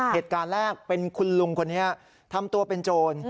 เหตุการณ์แรกเป็นคุณลุงคนนี้ทำตัวเป็นโจร